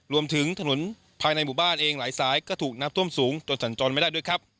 รวมถึงถนนภายในหมู่บ้านเองหลายสายก็ต้องนับช่วมสูงจนสัญจรทั้งไม่ได้